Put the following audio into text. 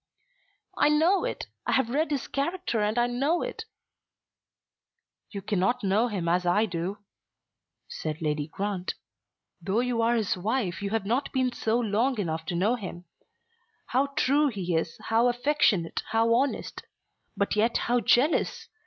"I know it. I have read his character and I know it." "You cannot know him as I do," said Lady Grant. "Though you are his wife you have not been so long enough to know him; how true he is, how affectionate, how honest; but yet how jealous!